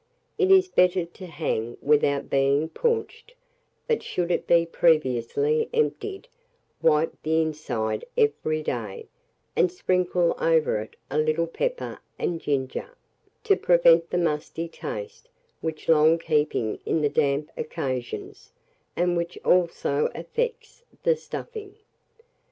It is better to hang without being paunched; but should it be previously emptied, wipe the inside every day, and sprinkle over it a little pepper and ginger, to prevent the musty taste which long keeping in the damp occasions, and which also affects the stuffing.